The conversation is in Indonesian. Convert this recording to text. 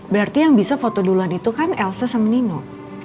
berarti yang bisa foto duluan itu kan elsa sama nino